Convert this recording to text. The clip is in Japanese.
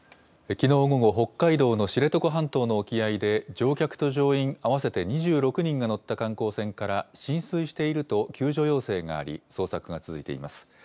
きのう午後、北海道の知床半島の沖合で乗客と乗員合わせて２６人が乗った観光船から浸水していると救助要請があり、捜索が続いています。